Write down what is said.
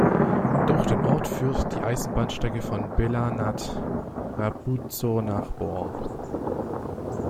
Durch den Ort führt die Eisenbahnstrecke von Bělá nad Radbuzou nach Bor.